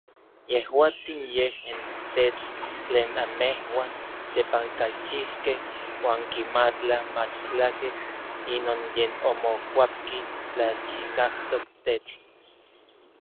Yejuatsin yej n tetl tlen anmejuan tepankalchijkej oankimatla machtlakej inon yen omokuapki tlachikajtok tetl.